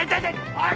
おい！